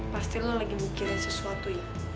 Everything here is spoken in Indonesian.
pasti lo lagi mikirin sesuatu ya